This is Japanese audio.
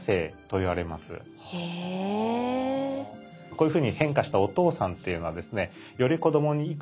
こういうふうに変化したお父さんっていうのはですね